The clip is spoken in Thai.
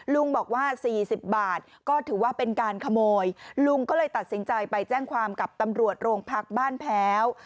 ลุงบอกว่า๔๐บาทก็ถือว่าเป็นการขโมยลุงก็เลยตัดสินใจไปแจ้งความกับตำรวจโรงพักบ้านแพ้ว